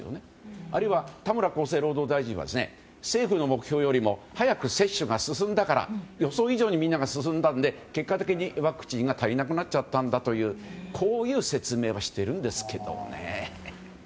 あるいは田村厚生労働大臣は政府の目標よりも早く接種が進んだから予想以上にみんなが進んだので結果的にワクチンが足りなくなったんだとこういう説明をしているんですけどね。